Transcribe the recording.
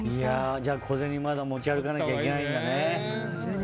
じゃあ小銭まだ持ち歩かなきゃいけないんだね。